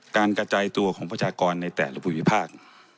การกระจายตัวของประชากรในแต่ละภูมิภาค